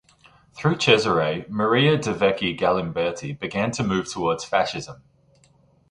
Through Cesare Maria De Vecchi Galimberti began to move towards Fascism.